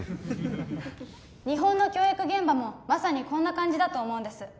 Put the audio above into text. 日本の教育現場もまさにこんな感じだと思うんです